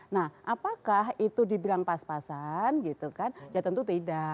nah apakah itu dibilang pas pasan gitu kan ya tentu tidak